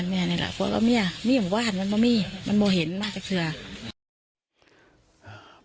เพราะมียังบ้านห้ามันไม่เห็นมาเกือบ